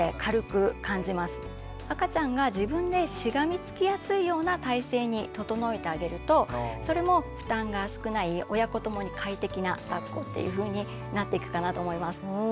赤ちゃんが自分でしがみつきやすいような体勢に整えてあげるとそれも負担が少ない親子共に快適なだっこっていうふうになっていくかなと思います。